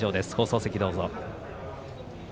放送席、どうぞ。